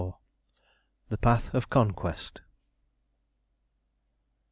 THE PATH OF CONQUEST.